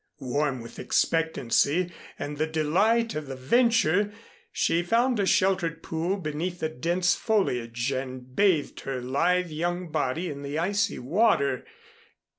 Warm with expectancy and the delight of the venture, she found a sheltered pool beneath the dense foliage and bathed her lithe young body in the icy water.